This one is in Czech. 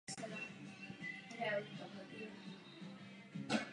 Tyto rovné podmínky by měla důkladně sledovat Evropská komise.